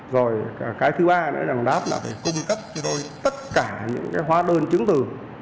rồi cái thứ ba nữa là đáp là phải cung cấp cho tôi tất cả những cái hóa đơn chứng từ